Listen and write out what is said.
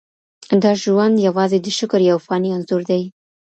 دا ژوند یوازې د شکر یو فاني انځور دی.